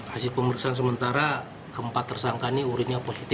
hasil pemeriksaan sementara keempat tersangka ini urinnya positif